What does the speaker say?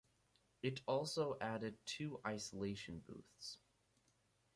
It also added two isolation booths.